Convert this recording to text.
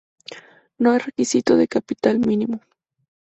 No hay requisito de capital mínimo.